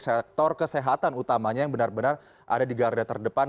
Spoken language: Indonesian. sektor kesehatan utamanya yang benar benar ada di garda terdepan